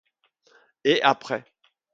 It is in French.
Et apr